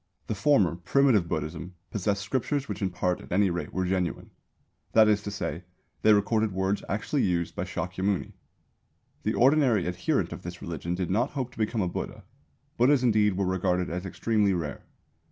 The former, Primitive Buddhism, possessed scriptures which in part at any rate were genuine; that is to say, they recorded words actually used by Shākyamuni. The ordinary adherent of this religion did not hope to become a Buddha; Buddhas indeed were regarded as extremely rare.